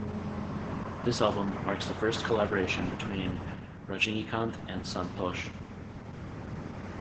This album marks the first collaboration between Rajinikanth and Santhosh.